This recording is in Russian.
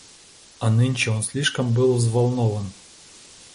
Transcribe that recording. А нынче он слишком был взволнован.